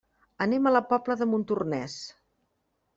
Anem a la Pobla de Montornès.